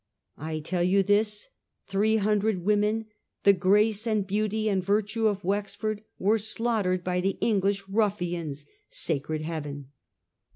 I tell you this : three hundred women, the grace and beauty and virtue of Wexford, were slaughtered by the English ruffians — sacred heaven